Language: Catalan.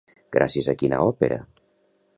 Gràcies a quina òpera?